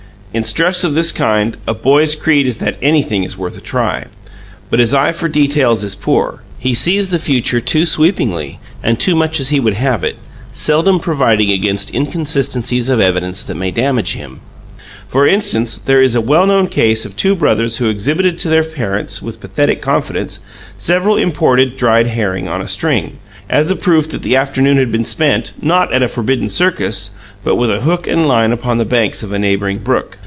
In stress of this kind, a boy's creed is that anything is worth a try; but his eye for details is poor. He sees the future too sweepingly and too much as he would have it seldom providing against inconsistencies of evidence that may damage him. For instance, there is a well known case of two brothers who exhibited to their parents, with pathetic confidence, several imported dried herring on a string, as a proof that the afternoon had been spent, not at a forbidden circus, but with hook and line upon the banks of a neighbouring brook.